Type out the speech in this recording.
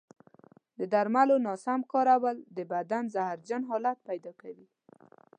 د درملو ناسم کارول د بدن زهرجن حالت پیدا کوي.